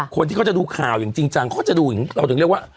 คนที่เขาจะดูข่าวอย่างจริงจังเขาจะดูอย่างนี้เราถึงเรียกว่า